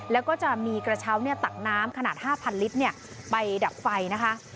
แล้วก็จะมีกระเช้าตักน้ำขนาดห้าพันลิตรเนี่ยไปดับไฟนะคะ